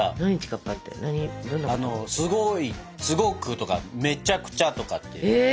あのすごいすごくとかめちゃくちゃとかって。